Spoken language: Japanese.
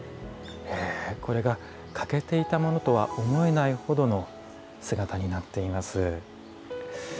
これが、欠けていたものとは思えないほどの姿になっています。